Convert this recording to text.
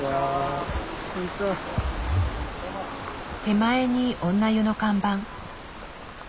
手前に女湯の看板。